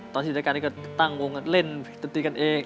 ตอนที่อยู่ด้วยกันก็ตั้งวงกันเล่นกันเอง